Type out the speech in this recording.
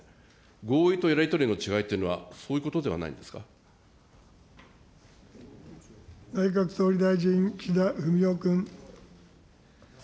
合意とやり取りの違いというのは、内閣総理大臣、岸田文雄君。